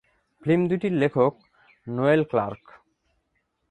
Film দুটির লেখক Noel clerk.